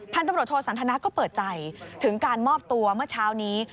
ตำรวจโทสันทนาก็เปิดใจถึงการมอบตัวเมื่อเช้านี้